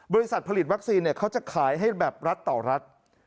บริษัทผลิตวัคซีนเขาจะขายให้แบบรัฐต่อรัฐ